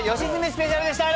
スペシャルでした。